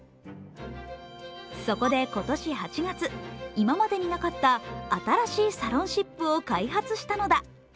そこで今年８月、今までになかった新しいサロンシップを開発したのだ。